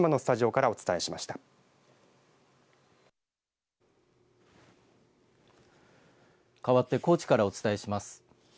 かわって高知からお伝えします。